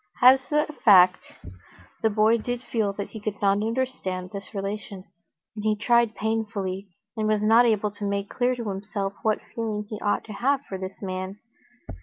As a fact, the boy did feel that he could not understand this relation, and he tried painfully, and was not able to make clear to himself what feeling he ought to have for this man.